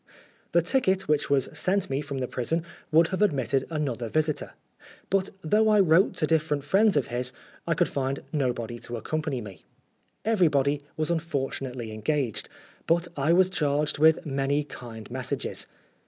The ticket which was sent me from the prison would have admitted another visitor, but though I wrote to different friends of his, I could find nobody to accompany me. 196 Oscar Wilde Everybody was unfortunately engaged, but 1 was charged with many kind messages.